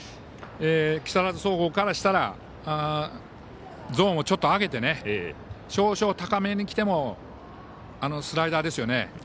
木更津総合からしたらゾーンをちょっと上げて少々、高めにきてもスライダーですよね